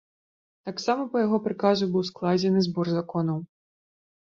Таксама па яго прыказу быў складзены збор законаў.